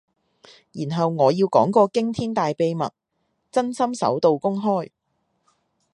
然後我要講個驚天大秘密，真心首度公開